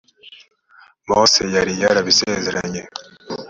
mose yari yarabisezeranye.